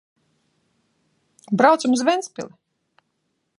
Braucam uz Ventspili!